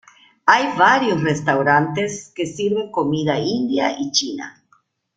Hay varios restaurantes que sirven comida india y china.